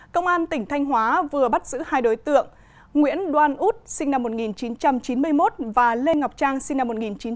công an tỉnh thanh hóa vừa bắt giữ hai đối tượng nguyễn đoan út sinh năm một nghìn chín trăm chín mươi một và lê ngọc trang sinh năm một nghìn chín trăm tám mươi